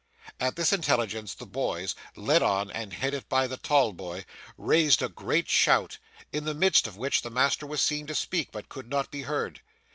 At this intelligence, the boys, led on and headed by the tall boy, raised a great shout, in the midst of which the master was seen to speak, but could not be heard.